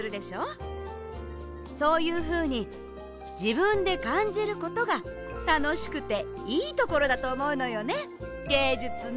そういうふうにじぶんでかんじることがたのしくていいところだとおもうのよねゲージュツの。